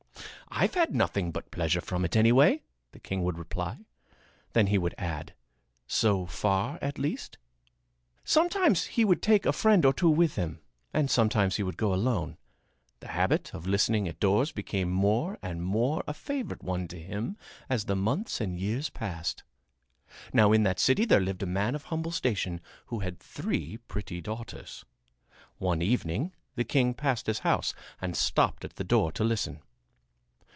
"I've had nothing but pleasure from it, anyway," the king would reply. Then he would add, "So far, at least." Sometimes he would take a friend or two with him, and sometimes he would go alone. The habit of listening at doors became more and more a favorite one to him as the months and years passed. Now in that city there lived a man of humble station who had three pretty daughters. One evening the king passed his house and stopped at the door to listen.